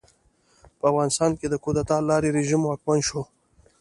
په افغانستان کې د کودتا له لارې رژیم واکمن شو.